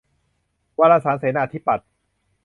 วารสารเสนาธิปัตย์